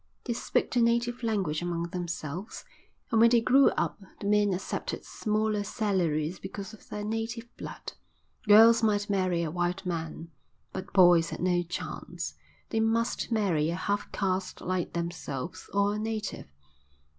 They spoke the native language among themselves. And when they grew up the men accepted smaller salaries because of their native blood; girls might marry a white man, but boys had no chance; they must marry a half caste like themselves or a native.